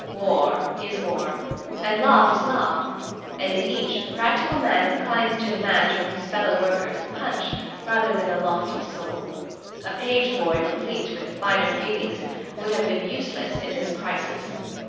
War is war, and love is love, and in each the practical man inclines to demand from his fellow workers the punch rather than a lofty soul. A page boy replete with the finer feelings would have been useless in this crisis.